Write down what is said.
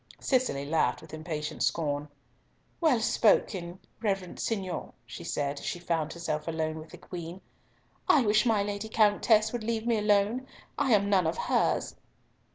Cicely laughed with impatient scorn. "Well spoken, reverend seignior," she said, as she found herself alone with the Queen. "I wish my Lady Countess would leave me alone. I am none of hers."